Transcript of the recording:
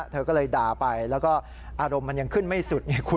เธอก็เลยด่าไปแล้วก็อารมณ์มันยังขึ้นไม่สุด